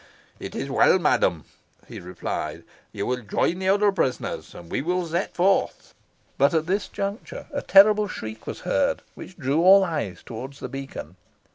"It is well, madam," he replied. "You will join the other prisoners, and we will set forth." But at this juncture a terrific shriek was heard, which drew all eyes towards the beacon.